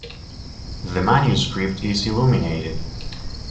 The manuscript is illuminated.